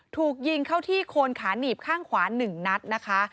ถูกยิงเข้าที่โคนขาหนีบข้างขวา๑นัดนะคะ